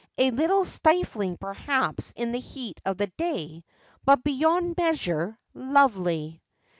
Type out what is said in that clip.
A little stifling, perhap?, in the heat of the day, but beyond measure, lovely.'